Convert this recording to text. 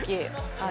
はい。